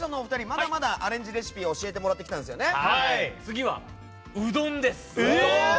まだまだアレンジレシピを教えてもらったんですよね。